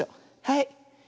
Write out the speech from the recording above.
はい。